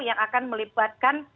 yang akan melibatkan